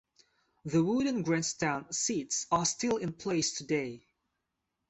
The wooden grandstand seats are still in place today.